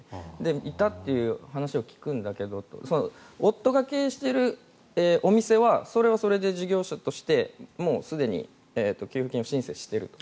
いたという話を聞くんだけど夫が経営しているお店はそれはそれで事業者としてすでに給付金申請をしていると。